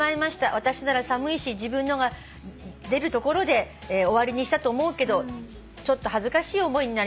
私なら寒いし自分のが出るところで終わりにしたと思うけどちょっと恥ずかしい思いになりました」